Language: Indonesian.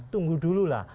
tunggu dulu lah